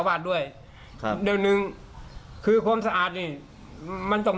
แล้วเขาไม่ฟัง